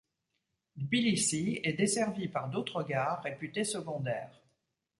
Tbilissi est desservie par d'autres gares, réputées secondaires.